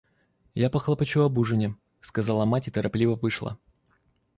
— Я похлопочу об ужине, — сказала мать и торопливо вышла.